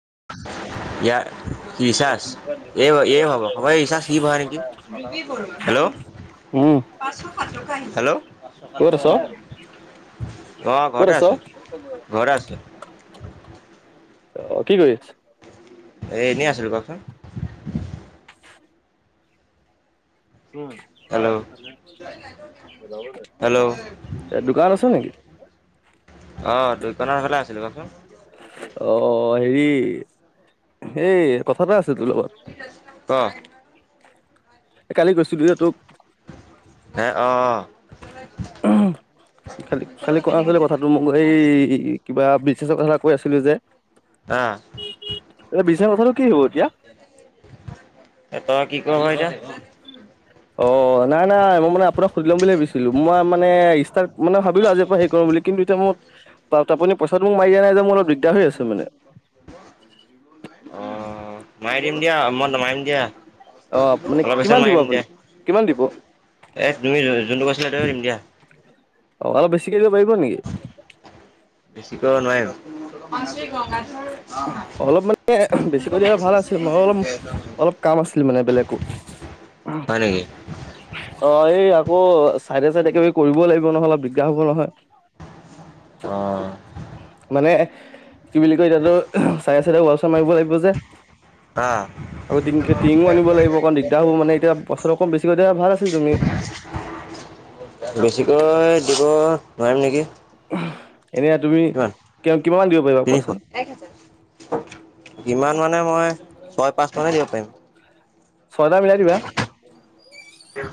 [inaudible] ইয়াৰ recharge এই- এই ভৰাব হব সব ৰিচাৰ্জ সি ভৰাই নেকি েল্ে [unintelligible] ল্ অঁ উম ক'ত আছ ঘৰতে আছ ঘৰতে আছো অ কি কৰিছ এ এনেই আছিলো কওকচোন উ [unintelligible] উম হেল্ল' লগৰ তোযে, হেল্ল' এ দোকান আছে নেকি? অহ দোকানৰ ফালে আছিলো, কওচোন? অ হেৰি এই কথা এটা আছিল। তো তোৰ লগত ক এই কালি গৈছিলো এই তোক হে অহ উহু খালি -খালি কোৱা আছিলে কথাটো মোক এই কিবা বিজনেচ কথা এ কৈ আছিলো যে। অহ। এতিয়া কথাটো কি হ'ল এ তই কি কৰ এতিয়া। [unintelligible] অ নাই নাই মই মানে আপোনাক সুধি ল'ম বুলি ভাবিছিলো মই মানে ষ্টাৰ মানে ভাবিলো আজিৰ পৰা হে কৰো বুলি কিন্তু ‌ এতিয়া মই আপুনি পইচা মাৰি দিয়া নাই যে মই অলপ দিগদাৰ হৈ আছে মানে অঁ মাৰি দিম দিয়া মই মাৰিম অ মানে দিয়া অলপ কিমান পিছত দিব মাৰিম আপুনি দে। কিমান দিব এ তুমি যোনটো কৈছিল ইন্ডিয়া ত দিম দিয়া অ অলপ বেছি বেছিকৈ নোৱাৰি। অলপ মানে বেছিকৈ দিলে ভাল আছিল মই অলপ -অলপ কাম আছিলো মানে বেলেগো উম হয় নেকি এই। অ চাইডে -চাইডে কিবা কৰিবই লাগিব নহয়, অলপ দিগদাৰ ৰ হ'ব নহয় অহ মানে কি বুলি কয চাৰে চাই ৱাছাৰ মাৰিব লাগিব যে অহ আকৌ টিমও আনিব লাগিব অণ দিগদাৰ হ'ব মানে এতিয়া পইচা বেছিক কৰি দা ভাল আছিল তুমি বেছিকৈ দিব নোৱাৰিম নেকি এনে তুমি কিমান কিমান দিব পাৰিবা তিনিশ কোৱাচোন। কিমান মানে মই ছয় -পাঁচ মানে দিব পাৰিম। ছয় এটা মিলাই দিবা।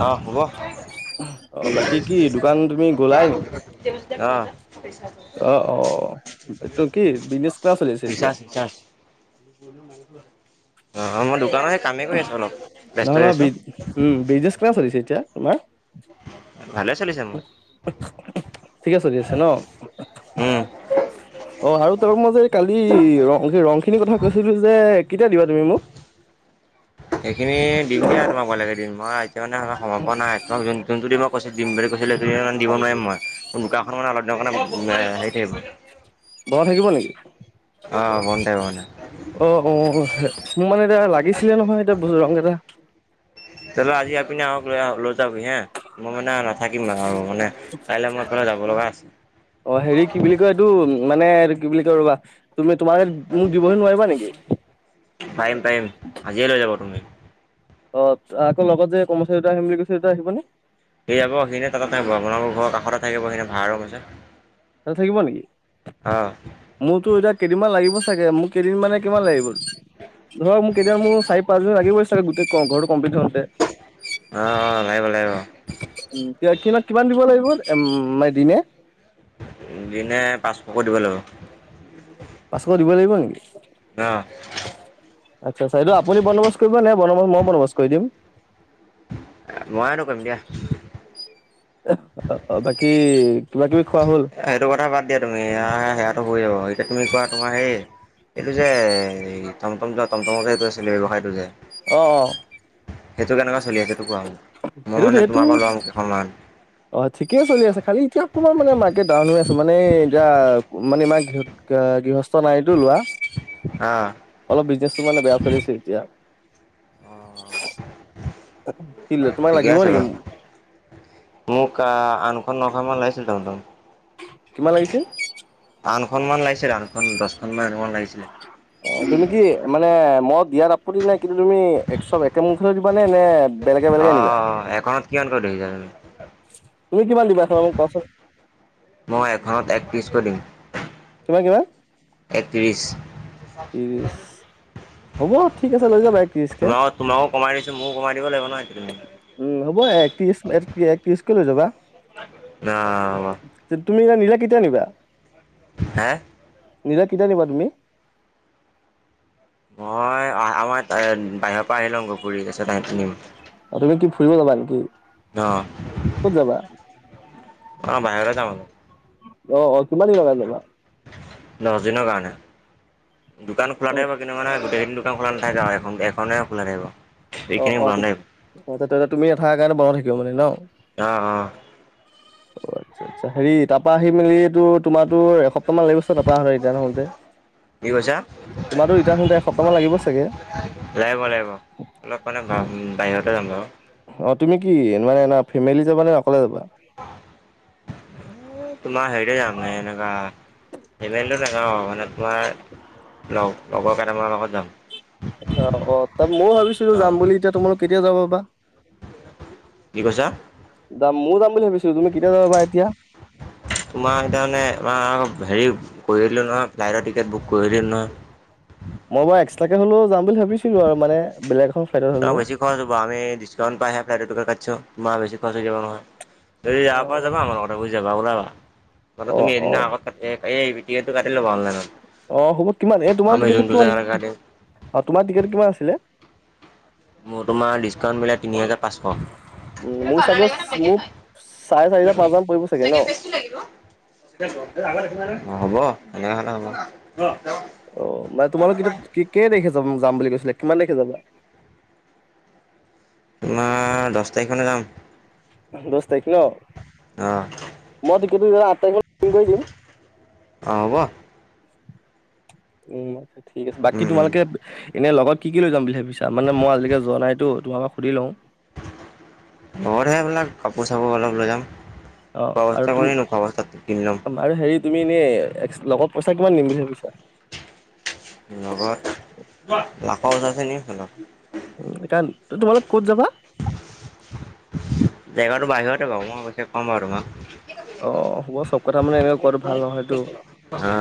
অঁ হ'ব অ বাকী কি দোকান তুমি গলাই নেকি আহ [unintelligible] অ অ এইটো কি বিজনেছ কেনেকা চলি আছে এতিয়া ৰিচাৰ্চ ৰিচাৰ্চ অ অ মই দোকানতহে কামেই কৰি আছোঁ অলপ ব্যস্ত হৈ আছোঁ পোৰা চলিছে এতিয়া তোমাৰ ভালে চলিছে মোৰ ঠিকে চলি আছে ন উম অ আৰু তই মৰযে কালি ৰং সেই ৰং খিনিৰ কথা কৈছিলো যে কেতিয়া দিবা তুমি মোক সেইখিনি দিম দে আৰু তোমাক বেলেগ এদিন মই এতিয়া মানে সময় নাই তোমাক যোন যোন টিমক কৈছি দিম বুলি কৈছিলো সেই দিব নোৱাৰিম মই, মোৰ দোকখনো মানে অলপ দিনৰ কাৰণে হেৰি থাকিব বন্ধ থাকিব নেকি অ বন থাকিব মানে অ অ মোৰ মানে এতিয়া লাগিছিলে নহয় এতিয়া ৰং কেইটা এপিনে আকহক লৈ লৈ যাবি হে মই মানে নাথাকিম আৰু মানে কাইলৈ মই এফালে যাব লগা আছে অ হেৰি কি বুলি কয় এইটো মানে কি বুলি কয় ৰবা তুমি তোমাৰ মোক দিবলে নোৱাৰিবা নেকি? পাৰিম পাৰিম আজিয়ে লৈ যাব তুমি অ আকৌ লগত যে কৰ্মচাৰী দুটা আহিম বুলি কৈছেটা আহিব ন সেয়া ক সেইখিনিতে তাকত নাই পোৱা বনাব ঘৰ কাষতে থাকিব সেইখিনি ভাৰা ৰোম আছে তাতে থাকিব নেকি অঁ মোৰতো এতিয়া কেইদিনমান লাগিব চাগে মোক কেইদিনমানে কিমান লাগিব নো ধৰ মোক কেতিয়াব মোৰ চাৰি পাঁচজন দিন লাগিবই চাগে গোটেই ঘৰতটো কম্লিট হওঁতে অ অ লাগিব লাগিব উ পিয়াতখিলা [unintelligible] কিমান দিব লাগিব উম মে দিনে দিনে পাঁচশকে দিব লাগিব পাচঁশ দিব লাগিব নেকি অঁ আচ্ছা আচ্ছা এইটো আপুনি বণ্ডবছ কৰিব নে বন্দবছ মইও বন্দবছ কৰি দিম মইতো কৰিম দিয়া বাকী কিবা কিবি খোৱা হ'ল সেইটো কথা বাদ দিয়া তুমি সেয়াতটো হৈ যাব এতি তুমি কোৱা তোমাৰ হে এইটো যে টমটম যোৱা টমটম যে এইটো আছিলে ব্যৱসায়টো যে অঁ অ সেইটো কেনেকুৱা চলি আছে সেইটো কোৱা মোক মই সেইটোতো মানে সেইটো তোমাৰ পৰা ল'ম কেইখনমান অ ঠিকে চলি আছে খালি এতিয়া অকমান মানে মাৰ্কেট ডাউন হৈ আছে মানে এতিয়া মানে ইমান গৃহস্থ নাইতো লোৱা অঁ অলপ বিজনেচটো মানে বেয়া চলিছে এতিয়া অ কি ল- তোমাক ঠিকে লাগিব আছে নেকি বাৰু মোক আহ আনখন নখন মান লাগিছিল তমতম কিমান লাগিছিল আঠনখন মান লাগিছিল আঠনখন দহখন মান আনিব‌ লাগি অ তুমি কি মানে মই দিয়াত আপত্তি নাই কিন্তু তুমি একশব একে মুখতে মানে নে বেলেগে অ বেলেগে নিবা এখনত কিমান কৰি দেৰিছা কিমান দিবা এখন মোক কোৱাচোন তুমি মই এখনত এক পিছ কৈ থীম তোমাৰ কিমান একত্ৰিছ ত্ৰিশ হ'ব ঠিক আছে লৈ যাবা এক ত্ৰিশকে তোমাক তোমাকো কমাই দিছো ময়ো কমাই দিব লাগিব নহয় এইটো তুমি উম হ'ব এক ত্ৰিশ এক এক ত্ৰিশকে লৈ যাবা অহ হ'ব তুমি এয়া নীলা কেতিয়া নিবা হে নিজাক কেতিয়া নিবা তুমি মই আহ আমাৰ বাহিৰৰ পৰা আহি লওঁ ঘুৰি তাৰপিছত আনিম অ তুমি কি ফুৰিব যাবা নানকি ক'ত যাবা? অ বাহিৰলে যাওঁ অলপ অ অ কিমান দিন লগাকে যাবা দহ দিনৰ কাৰণে দোকান খোলা অ থাকিব কিন্তু মানে গোটেইখিনি দোকান খোলা নাথাকে আৰু এ এনে খোলা থাকিব। অ এইখিনি বন্ধ থাকিব অ তুমি নাথাকা কাৰণে বাও থাকিব মানে ন অ অ অ আচ্ছা আচ্ছা হেৰি তাৰ পৰা আহি মেলিটো তোমাৰাতো এহ- [unintelligible] তোমাৰো কি কৈছা ৰিটাৰ্ণ হওঁতে এসপ্তাহ মান লাগিব চাগে। লাগিব লাগিব অলপ মানে বাহিৰতে যামগে বাও। অ তুমি কি মানে ফেমিলি যাবা নে অকলে যাবা। তোমাৰ হেৰিতে যাম এনেকা সেবেন্দটেকাৰ অ মানে আমাৰ লগ লগৰ কেইটামানৰ লগত যাম অ অ তাত ময়ো ভাবিছিলো অ যাম বুলি এতিয়া তোমালোক কেতিয়া যাব বা কি কৈছা? যাম ময়ো যাম বুলি ভাবিছিলো তুমি কেতিয়া যাবা বা এতিয়া তোমাৰ সেতা মানে আমাৰ হেৰি কৰি আহিলোঁ নহয় ফ্লাইটৰ টিকেট বুক কৰিলোঁ নহয়। মই বাৰু এক্সট্ৰাকে হ'লেও যাম বুলি ভাবিছিলো আৰু মানে বেলেগ এখন ফ্লাইটত ত হ'লেও বেছি খৰচ হ'ব আমি্কাউণ্ট পাইহে ফ্লাইট টিকেট কাটিছো তোমাৰ বেছি খৰচ হৈ যাব নহয়। যদি যাব পৰা অ', যাবা আমাৰ লগতে গুচি যাবা। ওলাবা মানে অ', তুমি এদিনা অ', আগত কাট এই টিকেটটো কাটি ল'বা অনলাইনত। অ হব কিমান এই তোমাৰ আমি টিকেটটো যোনটো কিমান জেগালৈ কাটিম অ তোমাৰ টিকেট কিমান আছিলে? মোৰ তোমাৰ ডিচকাউণ্ট মিলে তিনি হাজাৰ পাঁচশ। উম মোৰ চাগৈ মোক চাৰে চাৰিটা পাঁচটা মান পৰিব চাগে ন [unintelligible] তেনেহলে হ'ব অ মানে তোমালোক এতিয়া কেই তাৰিখে যাম যাম বুলি কৈছিলে? কিমান তাৰিখে যাবা? আপোনাৰ দহ তাৰিখমানে যাম। দশ তাৰিখ ন অ মই টিকেটটো আঠ তাৰিখে কৈ দিম। হ'ব। উম ঠিক আছে বাকী উম উম তোমালোকে এনেই লগত কি কি লৈ যাম বুলি ভাবিছা? মানে মই আজিলৈ যোৱা নাইতো তোমালোকক সুধি লওঁ। ঘৰহে সেইবিলাক কাপোৰ চাপোৰ অলপ লৈ যাম। অ', খোৱা আৰু বস্তু তুমি বোৰ কি নো খোৱা বস্তু তাত কিনি লম। আৰু হেৰি তুমি এনেই লগৰ পইচা কিমান দিম বুলি ভাবিছা? লগত এতিয়া [unintelligible] তোমালোক ক'ত যাবা? জেগাটো বাহিৰতে পাব মই অৱশ্যে কম বাৰু তোমাক। অ হ'ব চব কথা মানে এনেক কোৱা ভাল নহয়টো। অ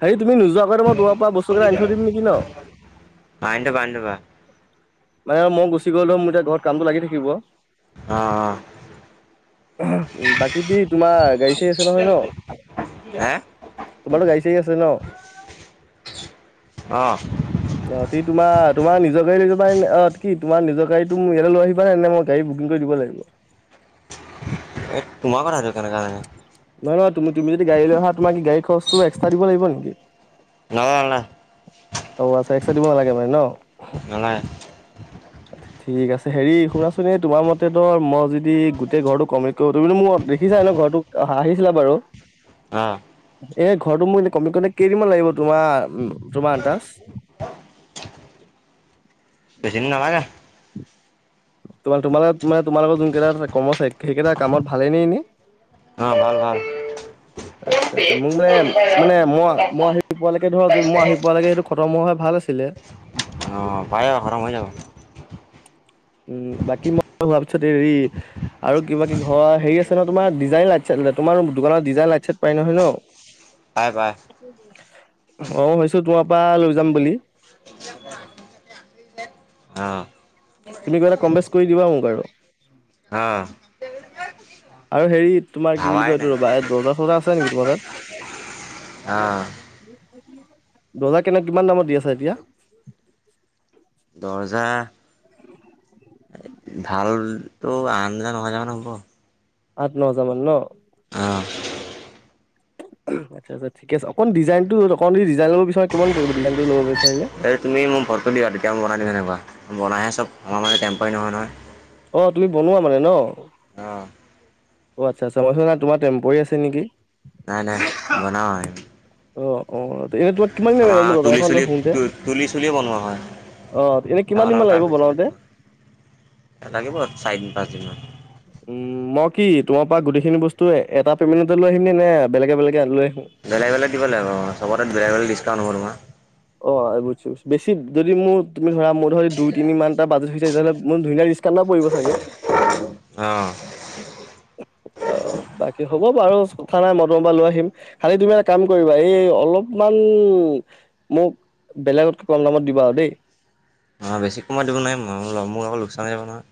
হেৰি তুমি নোযোৱাকৈ মই তোমাৰ পৰা বস্তুকেইটা আনি থৈ দিম নেকি ন? আনি থবা আনি থবা মানে মই গুচি গলো মোৰ এতিয়া ঘৰত কামটো লাগি থাকিব। আহ পিত ভিদ তোলা গাড়ী চাৰি আছে নহয় ন হে তোমাৰ গাড়ী চাৰি আছে ন অ অ তি তোমাৰ তোমাৰ নিজ গাড়ী লৈ যাবা অ কি তোমাৰ নিজৰ গাড়ী টোক ইয়াতে লৈ আহিবা নাই নে মই গাড়ী বুকিং কৰি দিব লাগিব। এ তোমাৰ কথাটো কেনেকা হয় নহয় নহয় তুমি তুমি যদি গাড়ী লৈ আহা কি গাড়ী খৰচ টো এক্সট্ৰা দিবা লাগিব নেকি? নালাগে অ আচ্ছা এক্সটা দিব নালাগে মানে ন নালাগে নালাগে ঠিক আছে হেৰি শুনাচোন এই তোমাৰ মতেতো মই যদি গোটেই ঘৰটো কম্লিট কৰো তুমি মোক দেখি ছাই ন ঘৰতোক আহিছিলা বাৰু অহ এ ঘৰটো মোৰ এ কম্লিট কৰোতে কেইদিনমান লাগিব তোমাৰ তোমাৰ আন্দাজ বেছি দিন নালাগে। তোমা তোমালগত তোমাক তোমালোকৰ যোন কেইটা কৰ্মচাৰী সেইকেইটা কামত ভালে নে এনেই অ ভাল ভাল আচ্ছা আচ্ছা মোক মানে মানে মই মই আহি পোৱালৈকে ধৰক মই আহি পোৱালৈকে সেইটো খতম হোৱা হয় ভাল আছিল। ছিলে অ পাই যাবা খতম হৈ যাব। উ বাকী মই হোৱা পিছত হেৰি আৰু কিবা কি ঘৰৰ হেৰি আছে ন তোমাৰ ডিজাইন আছ তোমাৰ দোকানত ডিজাইন লটছেট পাই নহয় ন। পাৰে পাৰে অ হৈছো তোমাৰ পৰা লৈ যাম বুলি অহ তুমি কিবা এটা কম বেছ কৰি দিবা মোক আৰু। অহ [inaudible] আৰু হেৰি তোমাৰ কি বুলি ভাবাই কয় নাই এইটো ৰবা এই দৰ্জা চৰ্জা আছে নেকি তোমাৰ তাত। আহ দৰ্জা কেনেক কিমান দামত দি আছো এতিয়া দৰ্জা ভালতো আঠ হাজাৰ ন হাজাৰ মানত হ'ব আঠ ন হাজাৰ মান ন [unintelligible] আচ্ছা ঠিকে আছে অকন ডিজাইনটো অকমান যদি ডিজাইন লব বিচাৰে কিমান পৰিব ডিজাইন লব বিচাৰিলে। এই তুমি মোক ভৰটো দিয়া তেতিয়া মই বনাই দিম এনেকোৱা বনাই আছো মই মানে টেম্পৰি নহয় নহয় অ তুমি বনোৱা মানে ন। অহ অ আচ্ছা আচ্ছা তোমাৰ সেনা টেম্পৰি আছে নেকি নাই নাই বনাও অ' অ এতিয়া তোমাক কিমান দিন আমাৰ লাগিব মোৰ দৰ্জা তুলি কেখন চুলি হওতে তুলি চুলিয়ে বনোৱা হয় অ এনেই কিমান ডাঙৰ দিন মান ডাঙৰ লাগিব কাৰ্পেট চাৰ্পেট বনাওতে বনোৱা লাগিব চাৰিদিন পাঁচদিন মান উম মই কি তোমাৰ পৰা গোটেইখিনি বস্তু এটা পেমেণ্টতে লৈ আহিম নে বেলেগে বেলেগে লৈ আহিম। বেলেগ বেলেগ দিব লাগিব চবতে বেলেগ বেলেগ ডিকাউণ্ট হ'ব তোমাৰ। অ বুজিছো বেছি যদি মোৰ তুমি ধৰা মই ধৰা দুই তিনি মানটা বাজেট হৈ- তেতিয়া হ'লে মোৰ ধুনীয়া কান্না পৰিব চাগে অ অ বাকী হ'ব বাৰু ঠাণ্ডা বটল এটা লৈ আহিম খালি তুমি এটা কাম কৰিবা এই অলপমান মোক বেলেগত কম দামত দিবা আৰু দেই। অ বেছি কমাই দিব নাই মোৰ আকৌ লোকচান হৈ যাব নহয়।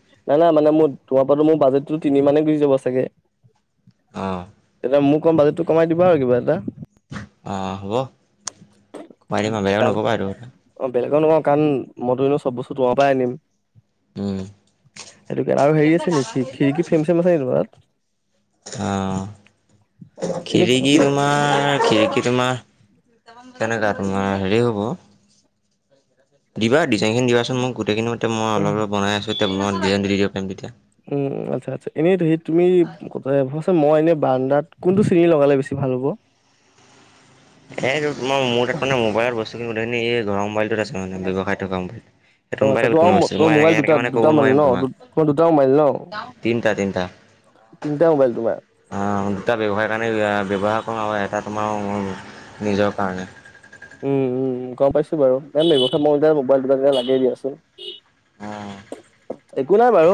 তোমাৰপা টো মোৰ বাজেট টো তিনি মানে গুচ যাব চাগে। অ', এয়া মোক কম বাজেটতো কমাই দিব আৰু কিবা এটা অহ হ'ব কুমাৰী মই বেয়া নকবা আৰু বেলেগৰ নকাও কাৰণ মইতিনো চব বস্তু তোঁৱৰ পৰাই আনিম। উম, সেইটো আৰু হেৰি আছে নেকি খিৰিকী ফেম চেম আছে নে তোমাৰ তাত অ এনে খিৰিকি কি তোমাৰ খিৰিকি তোমাৰ কেনেকা তোমাৰ হেৰি হ'ব দিবা ডিজাইন খিন দিবাচোন মই গোটেইখিনি মই অল অলপ বনাইছো এতিয়াই ডিজাইন দি দিব পাৰিম তেতিয়া উম আচ্ছা আচ্ছা এনেই সেই তুমি কথা ভ- ত মই এনে বাৰ্দাত কোনটো চিৰি লগালে বেছি ভাল হ'ব। এই তোমাৰ মোৰ তাত মে মোবাইলত বস্তুখিনি এই ঘৰ মোবাইলত আছে মানে ব্যৱসায় থকা মোবাইল অ' আচ্ছা মবাই [unintelligible] গোটিন তোমাৰ মই এে মোবাইল এনেকে দুটা মানে কব দুটা নোৱাৰিম ন তোমাক তোমাৰ দুটা মোবাইল ন? তিনিটা তিনিটা তিনিটা মোবাইল তোমাৰ অ দুটা ব্য্ৱসায় কাৰণে ব্য্ৱসাৰ কৰো আৰু এটাত তোমাৰ মোৰ নিজৰ কাৰণে উম উম গম পাইছো বাৰু এ ম মোবাইল দুইটা লাগেই দিয়াচোন অ [unintelligible] একো নাই বাৰু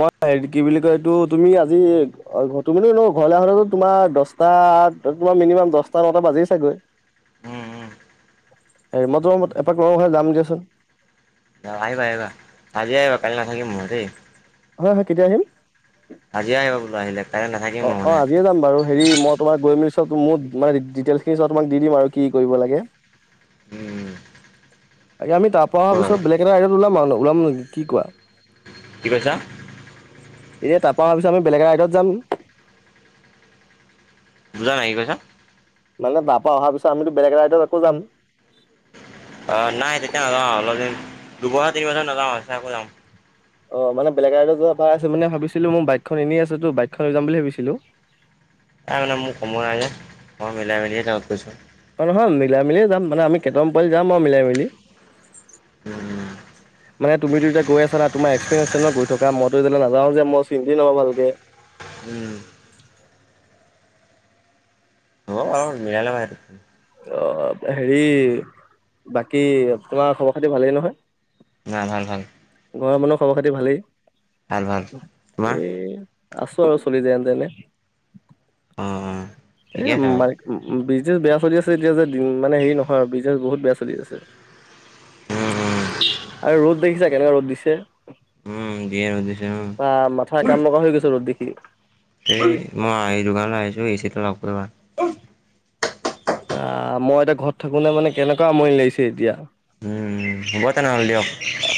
মই হেৰি কি বুলি কয় এইটো তুমি আজি তুমানি ন ঘৰলে তোমাৰ দহটা তোমাৰ মিনিমাম দহটা নটা বাজি চাগৈ উম উম হেৰি মই তোমাত এপাক লগ হোৱাকে যাম দিয়াচোন কাইি নাথাকিম মই দেই হা হা কেতিয়া আহিম আজি আহিবা বোলো আহিলে কাইলৈ নাথাকিম অ মই অ মানে। আজিয়ে যাম বাৰু হেৰি মই তোমাক গৈ মেলি মোৰ মানে ডিটেইল খিনি তোমাক দি দিম আৰু কি কৰিব লাগে উম [unintelligible] আ আমি পৰা হ'ব তাৰ বাৰু। পিছ বেলেগ এটা আইডাত ওলাম ওলাম নেকি কোৱা কি কৈছা এতিয়া তাপা অহা পিচত আমি বেলেগ ৰাইডত যাম বুজা নাই কি কৈছা মানে তাপা অহাৰ পিছত আমিতো বেলেগ এটা ৰাইদত আকৌ যাম দুবহৰ তিনি বছৰ নাওঁ চ আকো যাম [unintelligible] অ মানে বেলেগলৈ যোৱা ভাৰ আ মে ভাবিছিলো মোৰ বাইকখন এনেই আছে তো বাইকখন লৈ যাম বুলি ভাবিছিলো [unintelligible] তাই মানে মোৰ সময় নাই যে মই মিলাই মেলিয় তত গৈছো অ নহয় মিলাই মিলিয় যাম মানে আমি কেইটামান পোৱালি যাম আৰু মিলাই মেলি উম, মানে তুমিো এয়া গৈ আছা তমাৰ এক্সেৰিয়েঞ্চ ন গৈ থকা মইোতি নাওঁ যেই চিন্তি নহয় ভালে উম অ অ বাটো মিলা ল এ [unintelligible] অ হেৰি বাকী তোমাৰ খবৰ খাতি ভালেই নহয় ন ভাল ভাল ঘৰ মানুহ খবৰ খাতি ভালেই ভাল ভাল তোমাৰ আছো আৰু চলি যেন তেনে অ', অ', ঠিকে আছে বাৰু। এমাইক বি বিজনেছ বেয়া চলি আছে এতিয়া যে মানে হেৰি নহয় আৰু বিজনেছ বহুত বেয়া চলি আছে উম, উম, আৰু ৰ'দ দেখিছা কেনেককাা ৰ'দ দিছে উমেন আহ মাথথা কাম লগা হৈ গৈছে ৰ'দ দেখি এই মই এই দোকানলৈ আহিছো এ চিটো লগ কৰিবা মই এতিয়া ঘৰত থাকো নে মানে কেনেকুৱা আমনি লাগিছে এতিয়া উম হ'ব তেনেহ'লে দিয়ক